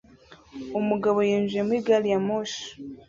Umugabo yinjiye muri gari ya moshi